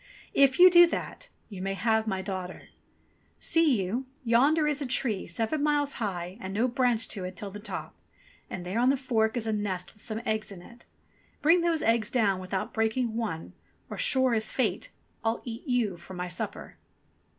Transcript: If you do that, you may have my daughter. See you, yonder is a tree, seven miles high, and no branch to it till the top, and there on the fork is a nest with some eggs in it. Bring those eggs down without breaking one, or, sure as fate, I'll eat you for my supper."